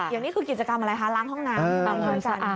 อย่างนี้คือกิจกรรมอะไรคะล้างห้องน้ำทำความสะอาด